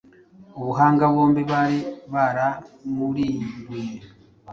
Ubuhanga bombi bari baramurimbuye